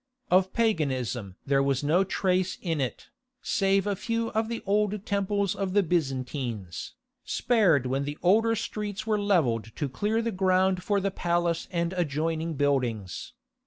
Of paganism there was no trace in it, save a few of the old temples of the Byzantines, spared when the older streets were levelled to clear the ground for the palace and adjoining buildings.